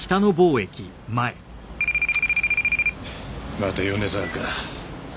また米沢か。